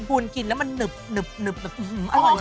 หูลกินแล้วมันนึบอร่อยมาก